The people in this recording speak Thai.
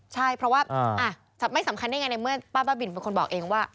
ใช่เพราะว่าไม่สำคัญได้ไงในเมื่อป้าบ้าบินเป็นคนบอกเองว่า